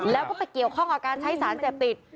แล้วก็ไปเกี่ยวข้องกับการใช้สารเสพติด